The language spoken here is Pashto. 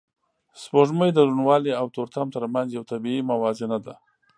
سپوږمۍ د روڼوالی او تورتم تر منځ یو طبیعي موازنه ده